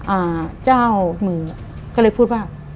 อ่าเจ้ามือก็เลยพูดว่า